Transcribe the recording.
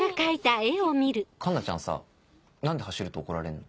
奏奈ちゃんさ何で走ると怒られんの？